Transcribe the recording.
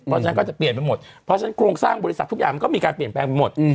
เพราะฉะนั้นก็จะเปลี่ยนไปหมดเพราะฉะนั้นโครงสร้างบริษัททุกอย่างมันก็มีการเปลี่ยนแปลงไปหมด